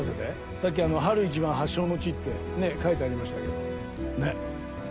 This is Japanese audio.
さっき「『春一番』発祥の地」って書いてありましたけどねっ。